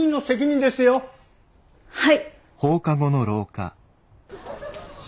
はい。